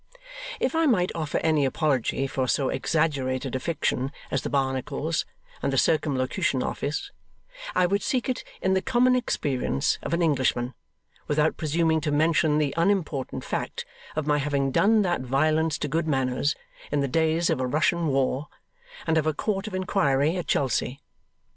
If I might offer any apology for so exaggerated a fiction as the Barnacles and the Circumlocution Office, I would seek it in the common experience of an Englishman, without presuming to mention the unimportant fact of my having done that violence to good manners, in the days of a Russian war, and of a Court of Inquiry at Chelsea.